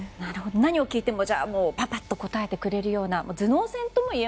何を聞いてもぱぱっと答えてくれるような。